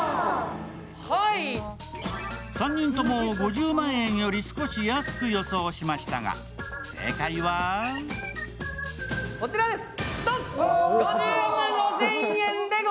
３人とも５０万円より少し安く予想しましたが、正解はこちらです！